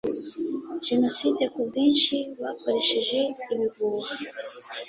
jenoside ku bwinshi bakoresheje ibihuha